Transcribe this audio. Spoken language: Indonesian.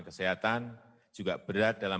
kesehatan juga berat dalam